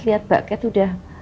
liat bakket udah